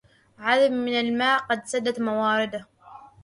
عذب من الماء قد سدت موارده